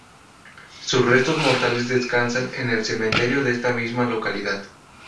Sus restos mortales descansan en el cementerio de esta misma localidad.